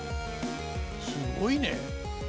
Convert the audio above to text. すごいね！